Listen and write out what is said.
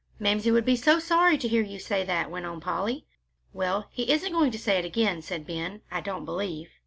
"Mamsie would be so sorry to hear you say that," went on Polly. "Well, he isn't going to say it again," said Ben, "I don't believe."